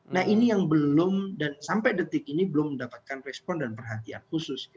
nah ini yang belum dan sampai detik ini belum mendapatkan respon dan perhatian khusus